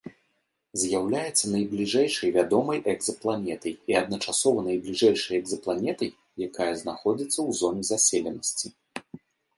З'яўляецца найбліжэйшай вядомай экзапланетай і адначасова найбліжэйшай экзапланетай, якая знаходзіцца ў зоне заселенасці.